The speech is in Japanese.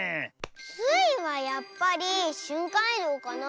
スイはやっぱりしゅんかんいどうかな。